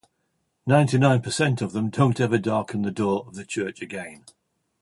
Ninety-nine percent of them don't ever darken the door of the church again.